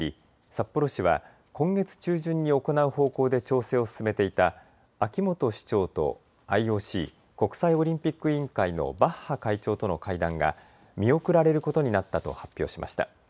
札幌市は今月中旬に行う方向で調整を進めていた秋元市長とＩＯＣ・国際オリンピック委員会のバッハ会長との会談が見送られることになったと発表しました。